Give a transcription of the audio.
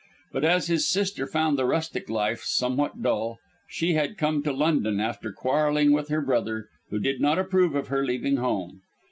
But as his sister found the rustic life somewhat dull, she had come to London, after quarrelling with her brother, who did not approve of her leaving home.